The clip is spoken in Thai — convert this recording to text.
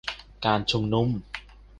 การชุมนุม